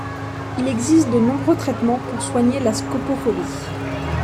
Il existe de nombreux traitements pour soigner la scopophobie.